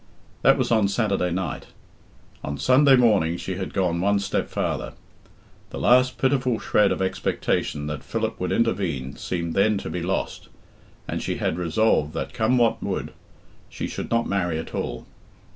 That was on Saturday night. On Sunday morning she had gone one step farther. The last pitiful shred of expectation that Philip would intervene seemed then to be lost, and she had resolved that, come what would, she should not marry at all.